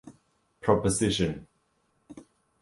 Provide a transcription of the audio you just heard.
Proposition.